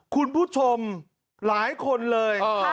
คุณผู้ชมหลายคนเลย